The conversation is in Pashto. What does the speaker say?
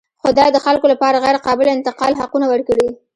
خدای د خلکو لپاره غیرقابل انتقال حقونه ورکړي.